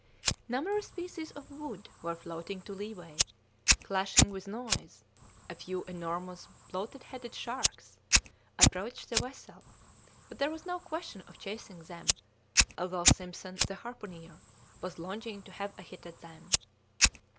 Numerous pieces of wood were floating to leeway, clashing with noise; a few enormous, bloated headed sharks approached the vessel, but there was no question of chasing them, although Simpson, the harpooner, was longing to have a hit at them.